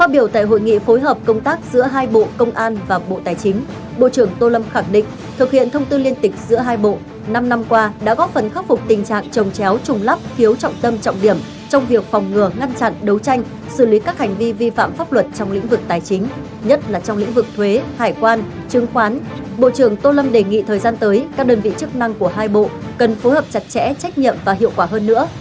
bộ trưởng tô lâm đề nghị thời gian tới các đơn vị chức năng của hai bộ cần phối hợp chặt chẽ trách nhiệm và hiệu quả hơn nữa